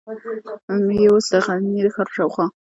یې اوس هم د غزني د ښار په شاوخوا